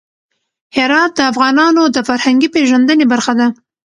هرات د افغانانو د فرهنګي پیژندنې برخه ده.